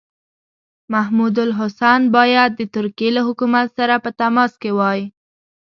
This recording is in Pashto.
محمودالحسن باید د ترکیې له حکومت سره په تماس کې وای.